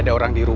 lakukan pvp ini